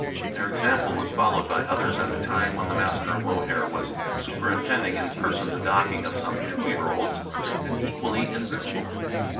Their example was followed by others at a time when the master of Mohair was superintending in person the docking of some two year olds, and equally invisible.